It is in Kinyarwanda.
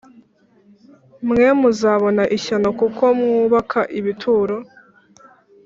Mwe muzabona ishyano kuko mwubaka ibituro